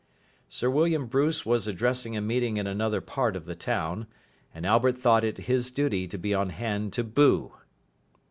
Sir William Bruce was addressing a meeting in another part of the town, and Albert thought it his duty to be on hand to boo.